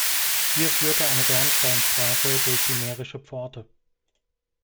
Hier führte eine Bernsteinstraße durch die Mährische Pforte.